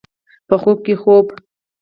په خوب کې خوب